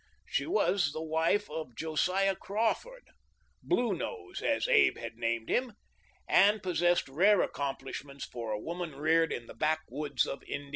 She was the wife of Josiah Crawford *—" Blue Nose," as Abe had named him — and possessed rare accomplishments for a woman reared in the backwoods of Indiana.